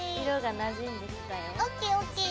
色がなじんできたよ。